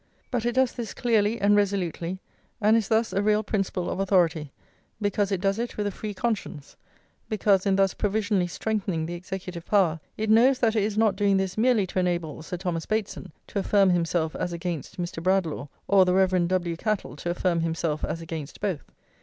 But it does this clearly and resolutely, and is thus a real principle of authority, because it does it with a free conscience; because in thus provisionally strengthening the executive power, it knows that it is not doing this merely to enable Sir Thomas Bateson to affirm himself as against Mr. Bradlaugh, or the Rev. W. Cattle to affirm himself as against both.